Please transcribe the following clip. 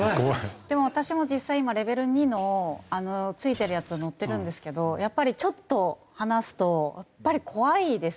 でも私も実際今レベル２の付いてるやつ乗ってるんですけどちょっと放すとやっぱり怖いですよね。